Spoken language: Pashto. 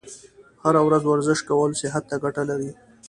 هره ورځ ورزش کول صحت ته ګټه لري.